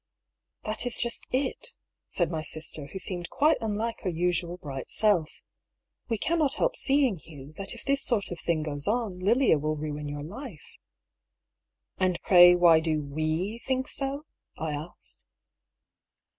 " That is just tV," said my sister, who seemed quite unlike her usual bright self. " We cannot help seeing, Hugh, that if this sort of thing goes on, Lilia will ruin your life." " And pray why do we think so ?" I asked.